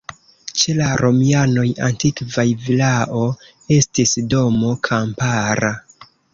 Ĉe la romianoj antikvaj vilao estis domo kampara.